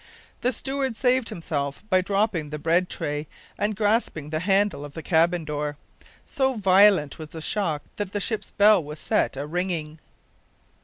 The steward saved himself by dropping the bread tray and grasping the handle of the cabin door. So violent was the shock that the ship's bell was set a ringing.